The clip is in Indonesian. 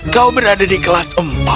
kau berada di kelas empat